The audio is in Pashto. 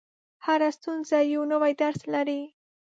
• هره ستونزه یو نوی درس لري.